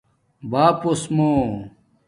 باپُوس مُو